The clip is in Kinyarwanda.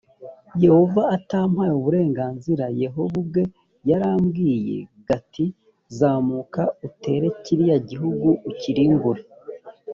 yehova atampaye uburenganzira yehova ubwe yaranyibwiriye g ati zamuka utere kiriya gihugu ukirimbure